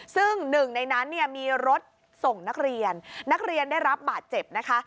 ซึ่งหนึ่งในนั้นเนี่ยมีรถส่งนักเรียนนักเรียนได้รับบาดเจ็บนะคะ